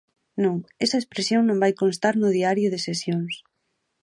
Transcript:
Non, esa expresión non vai constar no Diario de Sesións.